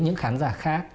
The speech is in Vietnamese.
những khán giả khác